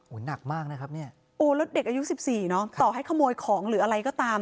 หนักมากนะครับเนี่ยโอ้แล้วเด็กอายุ๑๔เนอะต่อให้ขโมยของหรืออะไรก็ตาม